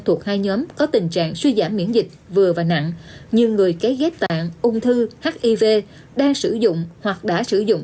thuộc hai nhóm có tình trạng suy giảm miễn dịch vừa và nặng như người kế ghép tạng ung thư hiv đang sử dụng hoặc đã sử dụng